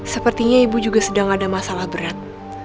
sepertinya ibu juga sedang ada masalah berat